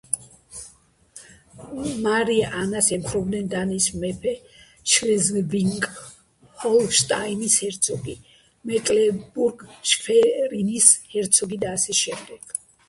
მარია ანას ემხრობოდნენ დანიის მეფე, შლეზვიგ-ჰოლშტაინის ჰერცოგი, მეკლენბურგ-შვერინის ჰერცოგი და ასე შემდეგ.